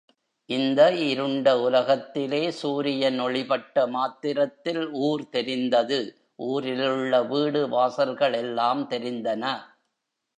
இந்த இருண்ட உலகத்திலே சூரியன் ஒளி பட்ட மாத்திரத்தில் ஊர் தெரிந்தது, ஊரிலுள்ள வீடு வாசல்கள் எல்லாம் தெரிந்தன.